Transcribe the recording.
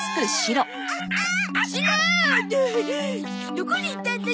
どこにいたんだ？